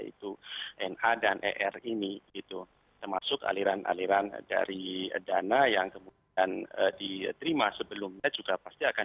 jadi ini juga diterima oleh tersangka penerima yaitu n a dan e r ini gitu termasuk aliran aliran dari dana yang kemudian diterima sebelumnya juga pasti akan